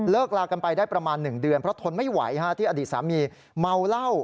ลากันไปได้ประมาณ๑เดือนเพราะทนไม่ไหวที่อดีตสามีเมาเหล้า